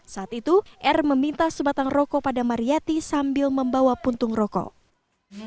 saat itu r meminta sebatang rokok pada mariyati sambil membawa puntung rokok